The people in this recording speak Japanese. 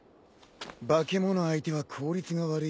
化け物相手は効率が悪い。